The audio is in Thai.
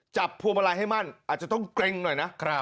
พวงมาลัยให้มั่นอาจจะต้องเกร็งหน่อยนะ